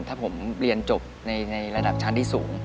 ถ้าผมเรียนจบในระดับชั้นที่สูง